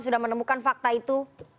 sudah menemukan fakta itu